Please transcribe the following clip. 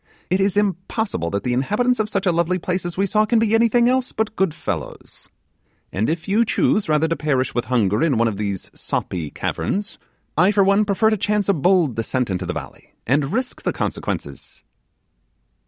'It is impossible that the inhabitants of such a lovely place as we saw can be anything else but good fellows; and if you choose rather to perish with hunger in one of these soppy caverns, I for one prefer to chance a bold descent into the valley, and risk the consequences'.